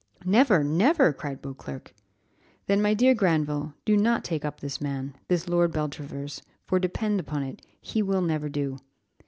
"Never, never!" cried Beauclerc. "Then, my dear Granville, do not take up this man, this Lord Beltravers, for, depend upon it, he will never do.